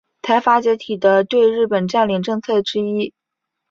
财阀解体的对日本占领政策之一。